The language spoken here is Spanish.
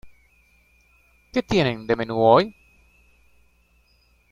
¿Qué tienen de menú hoy?